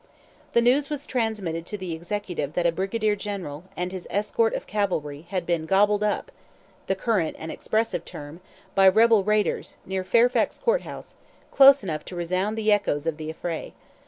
The news was transmitted to the Executive that a brigadier general and his escort of cavalry had been "gobbled up," the current and expressive term, by rebel raiders, near Fairfax Court house, close enough to resound the echoes of the affray.